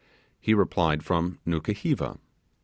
He replied, from Nukuheva.